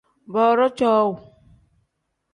Booroo cowuu.